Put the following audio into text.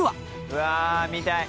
うわー見たい！